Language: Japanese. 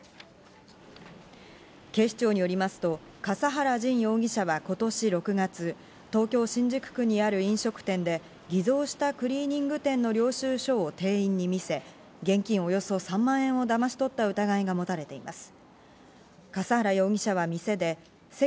警視庁によりますと笠原仁容疑者は今年６月、東京・新宿区にある飲食店で偽造したクリーニング店の領収書を店員に見せ、現金およそ３万円をだまし取った疑いが持たれています。